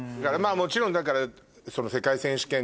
もちろんだから。